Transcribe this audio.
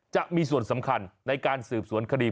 จะมีส่วนสำคัญในการสืบสวนคดี